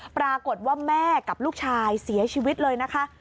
ปรากฏว่าแม่กับลูกชายเสียชีวิตเลยนะคะ